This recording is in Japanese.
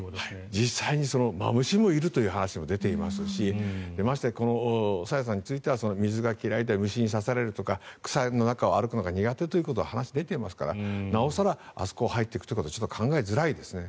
実際にマムシもいるという話も出ていますしまして朝芽さんについては水が嫌いで虫に刺されるとか草の中を歩くのが苦手という話が出ていますからなお更あそこに入っていくことはちょっと考えづらいですね。